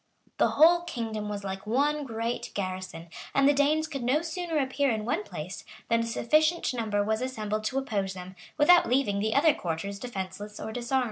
] The whole kingdom was like one great garrison; and the Danes could no sooner appear in one place, than a sufficient number was assembled to oppose them, without leaving the other quarters defenceless or disarmed.